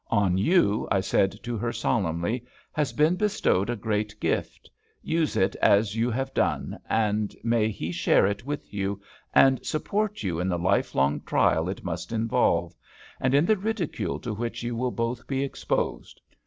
"On you," I said to her solemnly, "has been bestowed a great gift; use it as you have done, and may he share it with you, and support you in the lifelong trial it must involve, and in the ridicule to which you will both be exposed.